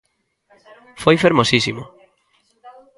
Foi fermosísimo.